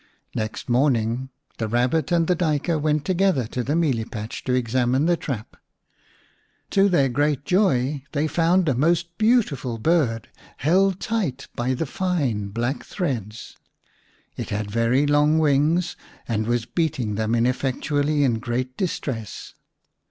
Next morning the Rabbit and the Duyker went together to the mealie patch to examine the trap. To their great joy they found a most beautiful bird held tight by the fine black threads. It had very long wings, and was beat ing them ineffectually in great distress.